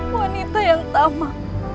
wanita yang tamak